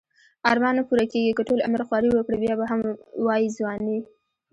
ارمان نه پوره کیږی که ټول عمر خواری وکړی بیا به هم وایی ځوانی